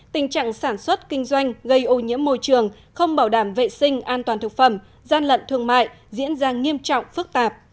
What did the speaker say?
tình trạng sản xuất kinh doanh gây ô nhiễm môi trường không bảo đảm vệ sinh an toàn thực phẩm gian lận thương mại diễn ra nghiêm trọng phức tạp